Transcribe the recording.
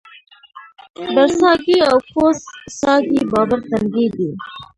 برڅاګی او کوز څاګی بابړ تنګی دی